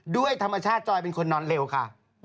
ด้วยธรรมชาติจอยเป็นคนนอนเร็วค่ะ